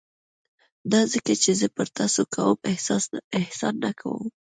دا ځکه چې زه پر تاسو کوم احسان نه کوم.